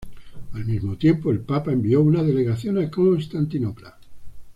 Al mismo tiempo, el papa envió una delegación a Constantinopla.